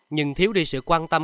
nhưng thiếu đi sự quan tâm